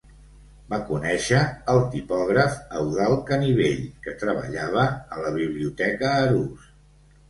Va conèixer el tipògraf Eudald Canivell, que treballava a la Biblioteca Arús.